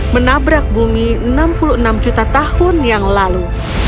menabrak bumi enam puluh enam juta tahun yang lalu